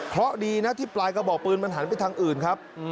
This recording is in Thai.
เพราะดีนะที่ปลายกระบอกปืนมันหันไปทางอื่นครับ